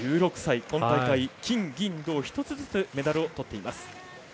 １６歳、今大会金、銀、銅１つずつ、メダルをとっています。